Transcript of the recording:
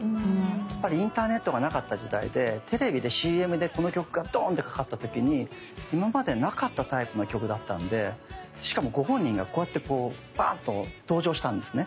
やっぱりインターネットがなかった時代でテレビでＣＭでこの曲がドンってかかった時に今までなかったタイプの曲だったんでしかもご本人がこうやってこうバンと登場したんですね。